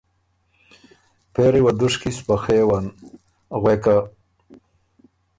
پېری وه دُشکی سپخېون، غوېکه